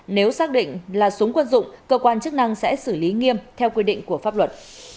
nếu xác định là súng quân dụng cơ quan chức năng sẽ xử lý nghiêm theo quy định của pháp luật